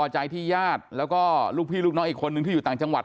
ใจที่ญาติแล้วก็ลูกพี่ลูกน้องอีกคนนึงที่อยู่ต่างจังหวัด